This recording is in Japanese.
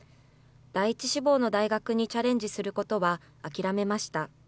第１志望の大学にチャレンジすることは諦めました。